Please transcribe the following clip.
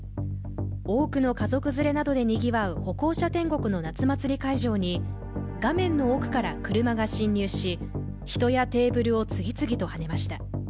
多くの家族連れなどでにぎわう歩行者天国の夏祭り会場に画面の奥から車が進入し人やテーブルを次々とはねました。